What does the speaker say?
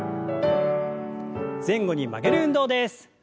前後に曲げる運動です。